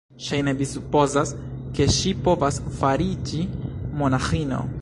Ŝajne vi supozas, ke ŝi povas fariĝi monaĥino?